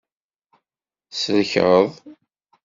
Tselkeḍ.